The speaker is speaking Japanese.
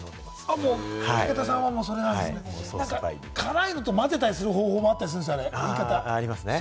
武田さんは、それがもう、辛いのと混ぜたりする方法もあったりするんですよね。